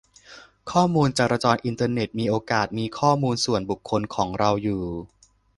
ข้อมูลจราจรอินเทอร์เน็ตมีโอกาสมีข้อมูลส่วนบุคคลของเราอยู่